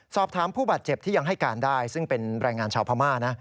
ผู้บาดเจ็บที่ยังให้การได้ซึ่งเป็นแรงงานชาวพม่านะ